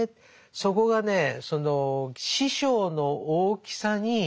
そこがねその師匠の大きさに。